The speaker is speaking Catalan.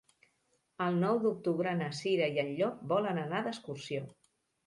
El nou d'octubre na Cira i en Llop volen anar d'excursió.